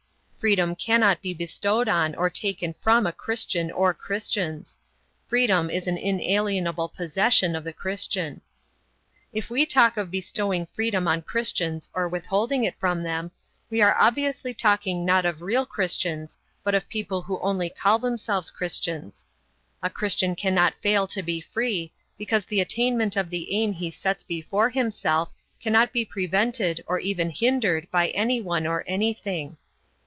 Freedom cannot be bestowed on or taken from a Christian or Christians. Freedom is an inalienable possession of the Christian. If we talk of bestowing freedom on Christians or withholding it from them, we are obviously talking not of real Christians but of people who only call themselves Christians. A Christian cannot fail to be free, because the attainment of the aim he sets before himself cannot be prevented or even hindered by anyone or anything.